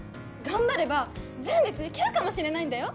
頑張れば前列行けるかもしれないんだよ